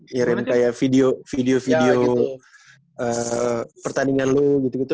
ngirim kayak video video pertandingan lo gitu gitu